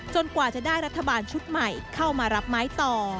กว่าจะได้รัฐบาลชุดใหม่เข้ามารับไม้ต่อ